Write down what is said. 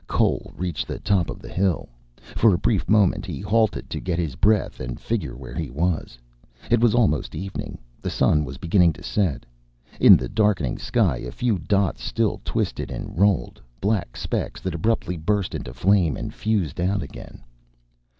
Cole reached the top of the hill. For a brief moment he halted to get his breath and figure where he was. It was almost evening. The sun was beginning to set. In the darkening sky a few dots still twisted and rolled, black specks that abruptly burst into flame and fused out again.